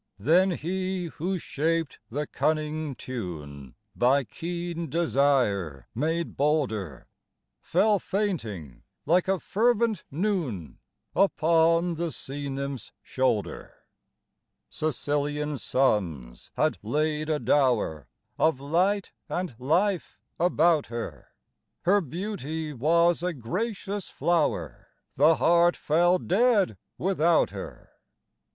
Then he who shaped the cunning tune, by keen desire made bolder, Fell fainting, like a fervent noon, upon the sea nymph's shoulder. Sicilian suns had laid a dower of light and life about her: Her beauty was a gracious flower the heart fell dead without her.